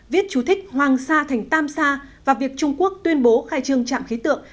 viết chú thích hoàng sa thành tam sa và việc trung quốc tuyên bố khai trương trạm khí tượng